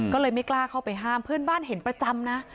ก็เลยไม่กล้าเข้าไปห้ามเพื่อนบ้านเห็นประจำนะ